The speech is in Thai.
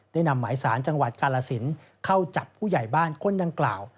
นำหมายสารจังหวัดกาลสินเข้าจับผู้ใหญ่บ้านคนดังกล่าว